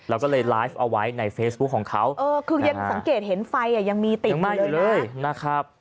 เราก็เลยไลฟ์เอาไว้ในสถานีนี้นะครับ